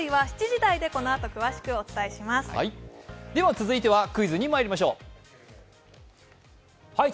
続いてはクイズにまいりましょう。